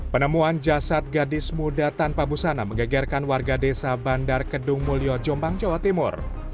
penemuan jasad gadis muda tanpa busana menggegerkan warga desa bandar kedung mulyo jombang jawa timur